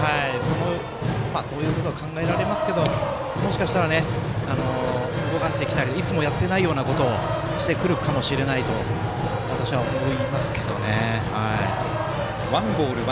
そういうことも考えられますがもしかしたら、動かしてきたりいつもやっていないようなことをしてくるかもしれないと私は思いますけどね。